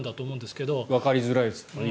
よりわかりづらいですもんね。